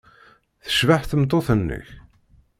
Tecbeḥ tmeṭṭut-nnek?